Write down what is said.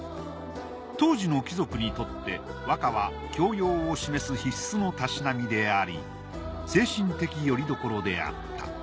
当時の貴族にとって和歌は教養を示す必須のたしなみであり精神的よりどころであった。